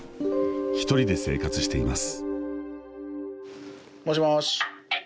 一人で生活しています。